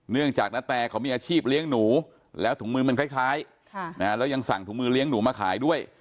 จากนาแตเขามีอาชีพเลี้ยงหนูแล้วถุงมือมันคล้ายแล้วยังสั่งถุงมือเลี้ยงหนูมาขายด้วย